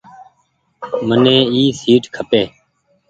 مني اي سيٽ کپي۔